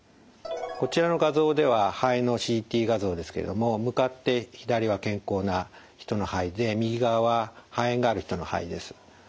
こちらの画像では肺のＣＴ画像ですけれども向かって左が健康な人の肺で右側は肺炎がある人の肺です。